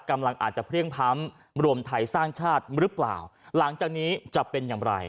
อาจจะเพลี่ยงพร้ำรวมไทยสร้างชาติหรือเปล่าหลังจากนี้จะเป็นอย่างไร